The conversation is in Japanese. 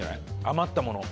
余ったもの。